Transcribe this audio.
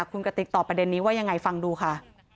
คุณกติกตอบประเด็นนี้ว่ายังไงฟังดูค่ะ